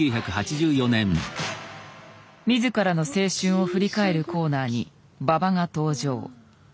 自らの青春を振り返るコーナーに馬場が登場。